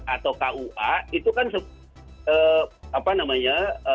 atau kua itu kan apa namanya